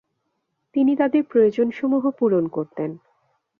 তিনি তাদের প্রয়োজনসমূহ পূরণ করতেন।